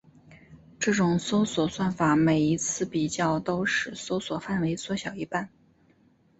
这种搜索算法每一次比较都使搜索范围缩小一半。